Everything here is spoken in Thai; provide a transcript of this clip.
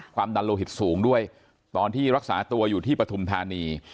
ความดันโลหิตสูงด้วยตอนที่รักษาตัวอยู่ที่ปฐุมธานี